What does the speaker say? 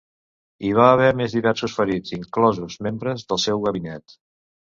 Hi va haver més diversos ferits, inclosos membres del seu gabinet.